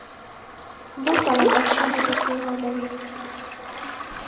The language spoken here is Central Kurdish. بۆت دەڵێم ئەو شێعرە بەرزەی مەولەوی